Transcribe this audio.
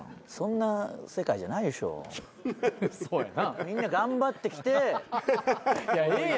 そうやな。